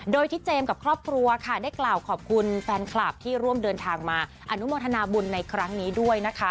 โดยที่เจมส์กับครอบครัวค่ะได้กล่าวขอบคุณแฟนคลับที่ร่วมเดินทางมาอนุโมทนาบุญในครั้งนี้ด้วยนะคะ